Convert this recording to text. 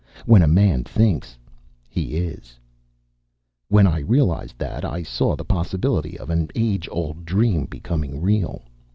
When a man thinks, he is. "When I realized that, I saw the possibility of an age old dream becoming real.